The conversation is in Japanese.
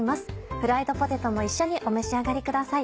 「フライドポテト」も一緒にお召し上がりください。